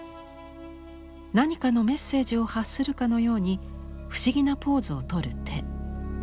何かのメッセージを発するかのように不思議なポーズをとる手。